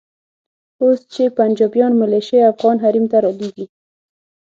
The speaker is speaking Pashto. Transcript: اوس چې پنجابیان ملیشې افغان حریم ته رالېږي.